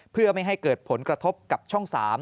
เพื่อไม่ให้เกิดผลกระทบกับช่อง๓